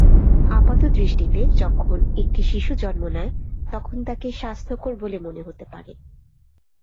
আপাতদৃষ্টিতে যখন একটি শিশু জন্ম নেয় তখন তাকে স্বাস্থ্যকর বলে মনে হতে পারে।